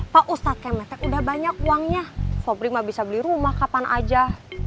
pak ustadz kmt udah banyak uangnya sobri mah bisa beli rumah kapan aja